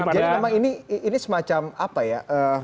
jadi ini semacam apa ya